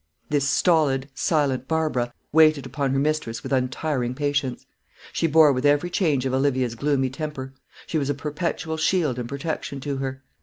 This stolid, silent Barbara waited upon her mistress with untiring patience. She bore with every change of Olivia's gloomy temper; she was a perpetual shield and protection to her.